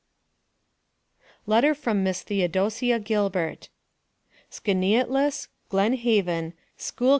LETTER FROM MISS THEODOCIA GILBERT. SKANEATELES (GLEN HAVEN) CHUY.